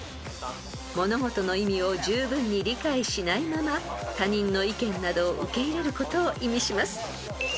［物事の意味をじゅうぶんに理解しないまま他人の意見などを受け入れることを意味します］